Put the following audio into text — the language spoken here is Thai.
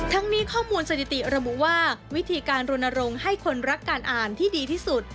นี้ข้อมูลสถิติระบุว่าวิธีการรณรงค์ให้คนรักการอ่านที่ดีที่สุด